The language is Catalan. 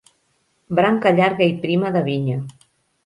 Branca llarga i prima de vinya.